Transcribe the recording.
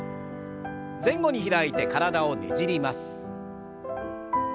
前後に開いて体をねじります。